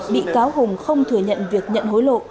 bị cáo hùng không thừa nhận việc nhận hối lộ